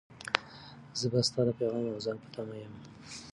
زه به ستا د پیغام او زنګ په تمه یم.